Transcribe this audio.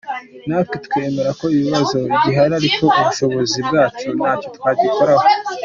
Natwe twemera ko ikibazo gihari ariko mu bushobozi bwacu ntacyo twagikoraho.